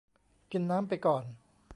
กินน้ำไปก่อน